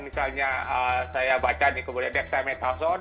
misalnya saya baca nih kemudian dexametazon